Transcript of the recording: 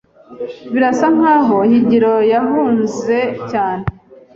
Birasa nkaho Higiro yahuze cyane.